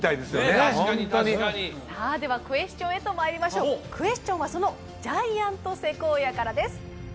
確かに確かにさあではクエスチョンへとまいりましょうクエスチョンはそのジャイアントセコイアからです